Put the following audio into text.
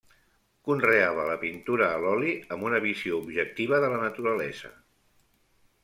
Conreava la pintura a l'oli amb una visió objectiva de la naturalesa.